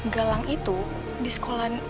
galang itu di sekolah